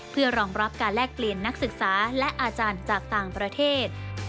เพื่อรองรับการแลกเปลี่ยนนักศึกษาและอาจารย์จากต่างประเทศ